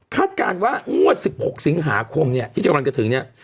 คาดการณ์ว่างว่างวัน๑๖สิงหาคมที่จะกำลังถึงเนี่ย